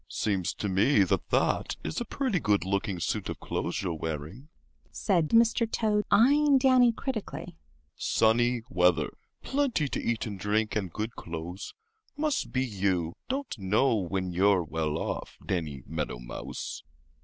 "Seems to me that that is a pretty good looking suit of clothes you're wearing," said Mr. Toad, eyeing Danny critically. "Sunny weather, plenty to eat and drink, and good clothes—must be you don't know when you're well off, Danny Meadow Mouse."